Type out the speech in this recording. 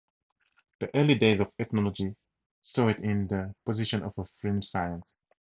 The early days of ethnology saw it in the position of a fringe science.